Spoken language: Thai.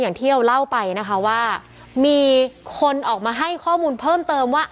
อย่างที่เราเล่าไปนะคะว่ามีคนออกมาให้ข้อมูลเพิ่มเติมว่า